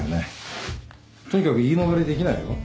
とにかく言い逃れできないよ。